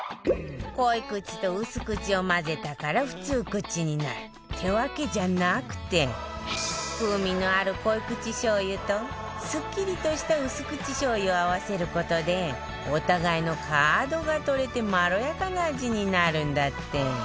濃口と薄口を混ぜたから普通口になるってわけじゃなくて風味のある濃口しょう油とすっきりとした薄口しょう油を合わせる事でお互いの角が取れてまろやかな味になるんだって